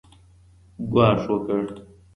ګواښ وکړ